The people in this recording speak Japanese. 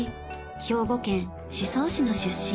兵庫県宍粟市の出身。